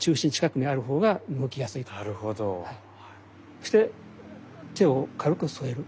そして手を軽く添える。